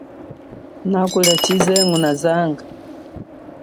Na kulia chize ngunazanga.